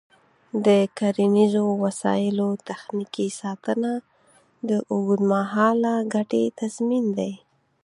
د کرنیزو وسایلو تخنیکي ساتنه د اوږدمهاله ګټې تضمین دی.